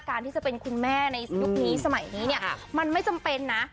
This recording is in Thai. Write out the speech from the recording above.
การที่จะเป็นคุณแม่ในยุคนี้สมัยนี้เนี่ยมันไม่จำเป็นนะ